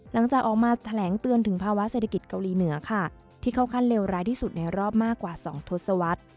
หลังจากออกมาแถลงเตือนถึงภาวะเศรษฐกิจเกาหลีเหนือค่ะที่เข้าขั้นเลวร้ายที่สุดในรอบมากกว่า๒ทศวรรษ